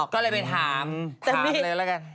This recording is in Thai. ก็เลยไปถามถามเลยละกัน